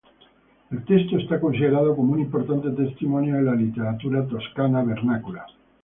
El texto es considerado como un importante testimonio de la literatura toscana vernácula.